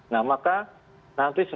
nah maka nanti kita akan mencari jawaban